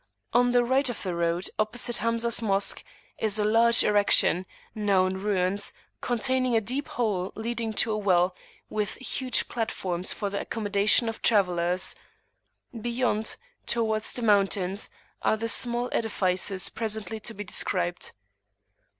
On the right of the road opposite Hamzah's Mosque, is a large erection, now in ruins, containing a deep hole leading to a well, with huge platforms for the accommodation of travellers. Beyond, towards the mountains, are the small edifices presently to be described.